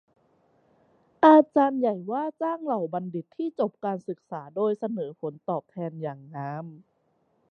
อาจารย์ใหญ่ว่าจ้างเหล่าบัณฑิตที่จบการศึกษาโดยเสนอผลตอบแทนอย่างงาม